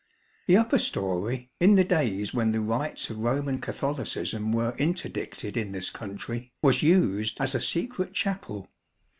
The upper storey, in the days when the rites of Roman Catholicism were interdicted in this country, was used as a secret chapel.